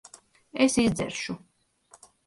Es izdzeršu.